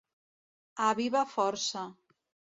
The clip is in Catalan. A viva força.